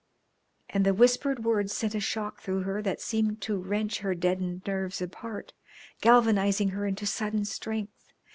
And the whispered words sent a shock through her that seemed to wrench her deadened nerves apart, galvanising her into sudden strength.